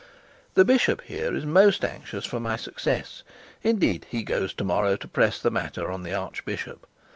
'The bishop here is most anxious for my success; indeed, he goes to morrow to press the matter on the archbishop.